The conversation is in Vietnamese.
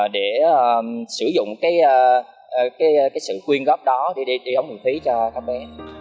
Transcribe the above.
để sử dụng cái sự quyên góp đó để đi đóng miền phí cho các bé